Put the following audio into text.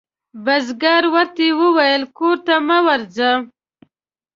بزګر ورته وویل کور ته مه ورځه.